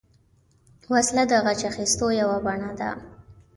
وسله د غچ اخیستو یوه بڼه ده